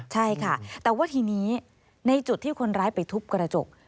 ใช่ค่ะแต่ว่าทีนี้ในจุดที่คนร้ายไปทุบกระจก